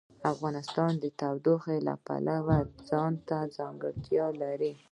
افغانستان د تودوخه د پلوه ځانته ځانګړتیا لري.